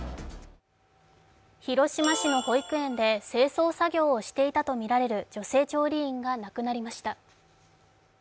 広島市の保育園で清掃作業をしていたとみられる女性調理員が亡くなりました。